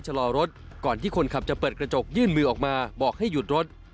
ชะลอรถก่อนที่คนขับจะเปิดกระจกยื่นมือออกมาบอกให้หยุดรถ